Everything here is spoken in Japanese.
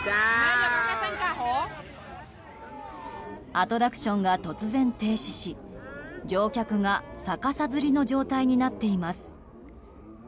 アトラクションが突然停止し乗客が逆さづりの状態になっています。